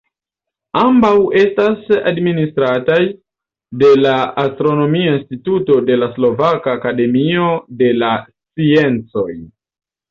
Ambaŭ estas administrataj de la Astronomia instituto de la Slovaka akademio de la sciencoj.